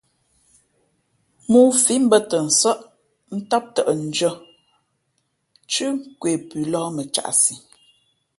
Mōō fǐ mbᾱtαnsάʼ ntám tαʼ ndʉ̄ᾱ nthʉ́ nkwe pʉ lōh mα caʼsi.